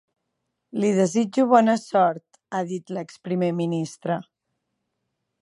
Li desitjo bona sort, ha dit l’ex-primer ministre.